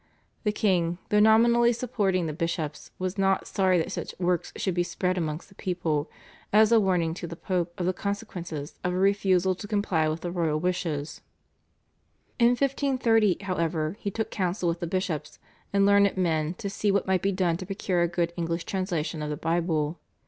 The king, though nominally supporting the bishops, was not sorry that such works should be spread amongst the people, as a warning to the Pope of the consequences of a refusal to comply with the royal wishes. In 1530, however, he took counsel with the bishops and learned men to see what might be done to procure a good English translation of the Bible.